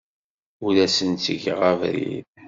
Ur asen-ttgeɣ abrid.